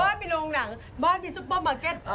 มีโรงหนังบ้านมีซุปเปอร์มาร์เก็ต